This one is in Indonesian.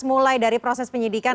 mulai dari proses penyidikan